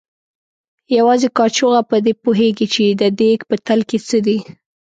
یوازې کاچوغه په دې پوهېږي چې د دیګ په تل کې څه دي.